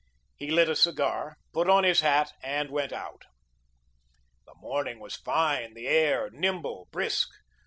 He lit a cigar, put on his hat and went out. The morning was fine, the air nimble, brisk.